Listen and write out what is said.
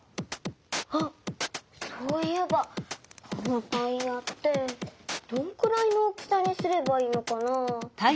あっそういえばこのタイヤってどんくらいの大きさにすればいいのかな？